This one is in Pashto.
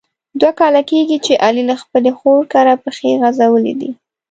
دوه کاله کېږي چې علي له خپلې خور کره پښې غزولي دي.